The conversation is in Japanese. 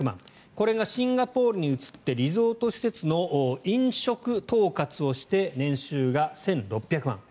これがシンガポールに移ってリゾート施設の飲食統括をして年収が１６００万円。